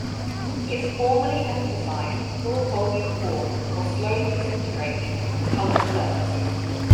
His formerly emphasized full-volume form was slowly disintegrating into coloured surfaces.